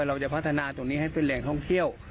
เราจะพัฒนาตรงนี้ให้เป็นแหล่งท่องเที่ยว